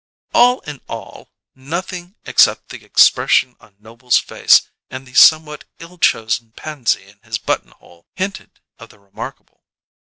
All in all, nothing except the expression of Noble's face and the somewhat ill chosen pansy in his buttonhole hinted of the remarkable.